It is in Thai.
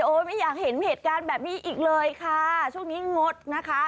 ไม่อยากเห็นเหตุการณ์แบบนี้อีกเลยค่ะช่วงนี้งดนะคะ